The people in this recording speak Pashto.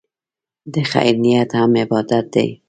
د خیر نیت هم عبادت دی.